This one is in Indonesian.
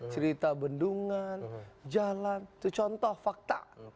cerita bendungan jalan itu contoh fakta